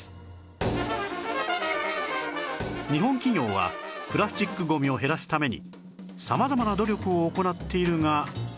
日本企業はプラスチックゴミを減らすために様々な努力を行っているが